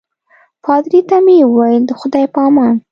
پادري ته مې وویل د خدای په امان.